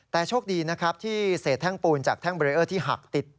แต่โชคดีนะครับที่เศษแท่งปูนจากแท่งเบรเออร์ที่หักติด